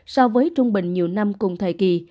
so với trung bình nhiều năm cùng thời kỳ